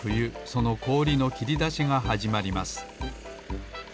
そのこおりのきりだしがはじまります